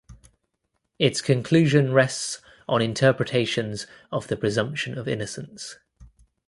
Its conclusion rests on interpretations of the presumption of innocence.